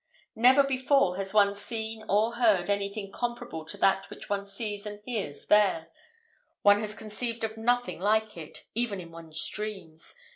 "Never before has one seen or heard anything comparable to that which one sees and hears there; one has conceived of nothing like it, even in one's dreams!